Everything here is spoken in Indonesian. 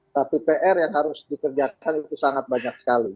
tapi pr yang harus dikerjakan itu sangat banyak sekali